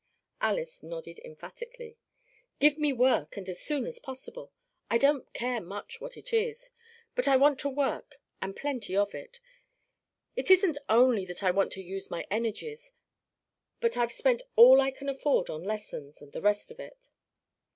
Alys nodded emphatically. "Give me work, and as soon as possible. I don't care much what it is. But I want work and plenty of it. It isn't only that I want to use my energies, but I've spent all I can afford on lessons and the rest of it."